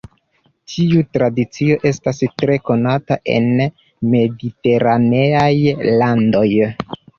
Tiu tradicio estas tre konata en la mediteraneaj landoj.